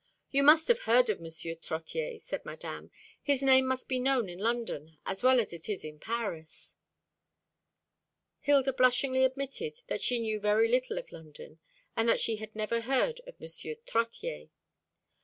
"You must have heard of M. Trottier," said Madame; "his name must be known in London as well as it is in Paris." Hilda blushingly admitted that she knew very little of London, and that she had never heard of M. Trottier.